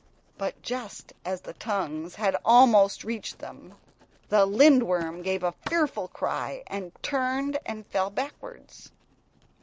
But just as the tongues had almost reached them, the lindworm gave a fearful cry, and turned and fell backwards.